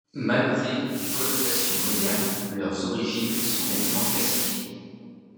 Malgré des connotations modernes, leurs origines sont nettement classiques.